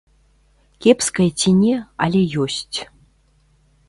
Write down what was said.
Кепская ці не, але ёсць.